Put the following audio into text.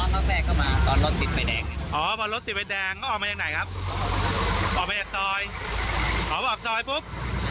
ถ้าขานะแค่ไปแตกเขาล้มติดขาเขาไปขัดอยู่